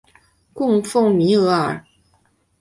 供奉弥额尔。